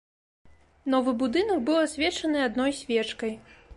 Новы будынак быў асвечаны адной свечкай.